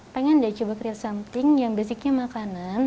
pengen deh coba create something yang basicnya makanan